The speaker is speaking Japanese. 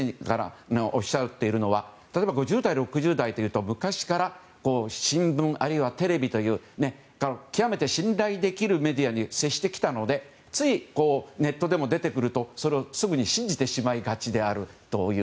あるいは山口先生がおっしゃっているのは例えば５０代６０代というと昔から新聞、テレビというきわめて信頼できるメディアに接してきたのでついネットでも出てくると信じてしまいがちであるという。